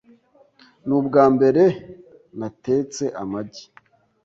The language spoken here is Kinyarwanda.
Nubwambere natetse amagi.